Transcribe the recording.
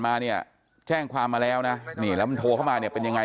มาเนี่ยแช่งความมาแล้วนะแล้วโทรเข้ามานี่เป็นยังไง